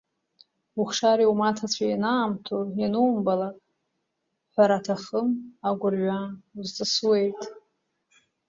Ухшареи умаҭацәеи ианаамҭоу ианумбалак, ҳәараҭахым, агәырҩа узҵысуеит.